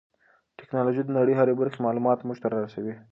ټیکنالوژي د نړۍ د هرې برخې معلومات موږ ته را رسوي.